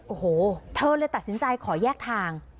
โอ้โหเธอเลยตัดสินใจขอแยกทาง